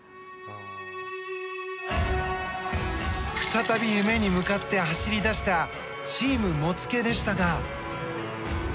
再び夢に向かって走り出したチームもつけでしたが。